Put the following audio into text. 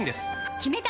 決めた！